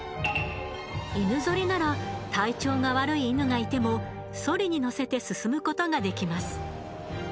犬ぞりなら体調が悪い犬がいてもそりに乗せて進む事ができます。